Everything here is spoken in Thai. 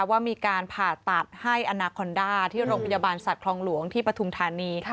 ว่ามีการผ่าตัดให้อนาคอนด้าที่โรงพยาบาลสัตว์คลองหลวงที่ปฐุมธานี